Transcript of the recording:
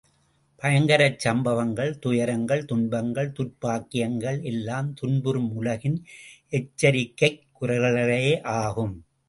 பயங்கரச் சம்பவங்கள், துயரங்கள் துன்பங்கள், துர்ப் பாக்கியங்கள் எல்லாம் துன்புறும் உலகின் எச்சரிக்கைக் குரல்களே ஆகும்.